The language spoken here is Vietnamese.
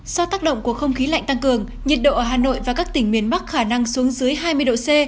do tác động của không khí lạnh tăng cường nhiệt độ ở hà nội và các tỉnh miền bắc khả năng xuống dưới hai mươi độ c